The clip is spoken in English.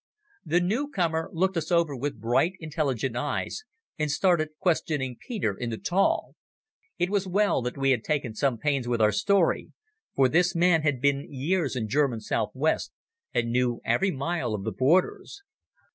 The new comer looked us over with bright intelligent eyes, and started questioning Peter in the taal. It was well that we had taken some pains with our story, for this man had been years in German South West, and knew every mile of the borders.